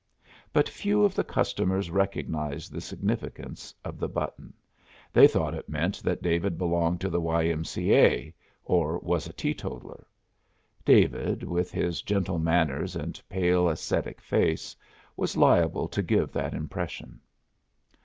But few of the customers recognized the significance of the button. They thought it meant that David belonged to the Y. M. C. A. or was a teetotaler. David, with his gentle manners and pale, ascetic face, was liable to give that impression.